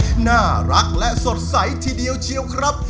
น่ารักและสดใสทีเดียวเชียวครับ